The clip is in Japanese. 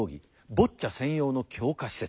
「ボッチャ専用の強化施設」。